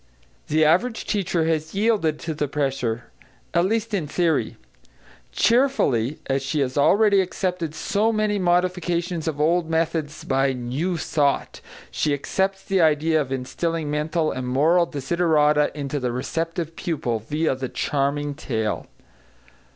The average teacher has yielded to the pressure, at least in theory. Cheerfully, as she has already accepted so many modifications of old methods by "new thought," she accepts the idea of instilling mental and moral desiderata into the receptive pupil, viâ the charming tale.